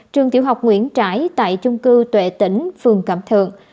trường tiểu học nguyễn trãi tại chung cư tuệ tỉnh phường cẩm thượng